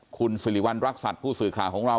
คุณสิริวัณรักษัตริย์ผู้สื่อข่าวของเรา